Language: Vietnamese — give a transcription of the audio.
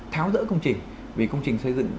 tháo dỡ công trình vì công trình xây dựng